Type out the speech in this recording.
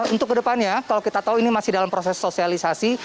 untuk kedepannya kalau kita tahu ini masih dalam proses sosialisasi